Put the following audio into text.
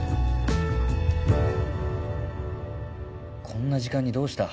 こんな時間にどうした？